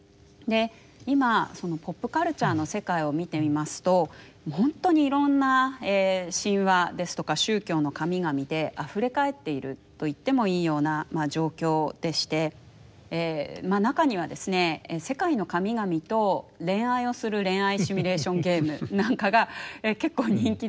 今ポップカルチャーの世界を見てみますと本当にいろんな神話ですとか宗教の神々であふれかえっているといってもいいような状況でして中にはですね世界の神々と恋愛をする恋愛シミュレーションゲームなんかが結構人気でですね